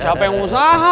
siapa yang usaha